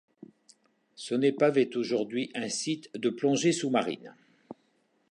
Son épave est aujourd'hui un site de plongée sous-marine.